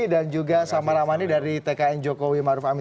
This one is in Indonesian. dan juga samara mani dari tkn jokowi maruf amin